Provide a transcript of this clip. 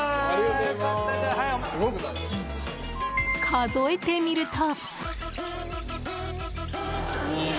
数えてみると。